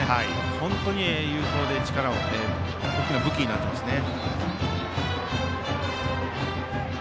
本当に有効で大きな武器になっていますね。